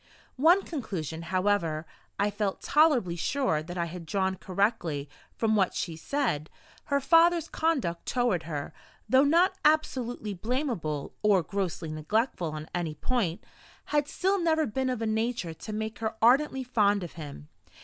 One conclusion, however, I felt tolerably sure that I had drawn correctly from what she said: her father's conduct toward her, though not absolutely blamable or grossly neglectful on any point, had still never been of a nature to make her ardently fond of him.